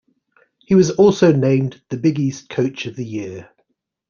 He was also named the Big East Coach of the Year.